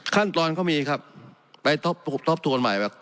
ขั้นตอนก็มีครับไปทบทวนใหม่